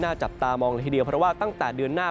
จับตามองเลยทีเดียวเพราะว่าตั้งแต่เดือนหน้า